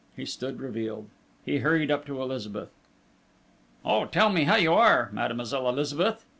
He stood revealed. He hurried up to Elizabeth. "Oh, tell me how you are, Mademoiselle Elizabeth!"